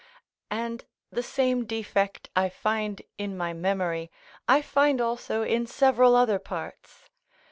And the same defect I find in my memory, I find also in several other parts.